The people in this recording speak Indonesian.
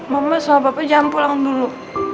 mama sama bapak jangan pulang dulu